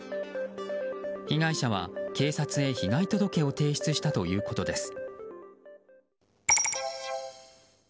被害者は警察へ被害届を提出したということです。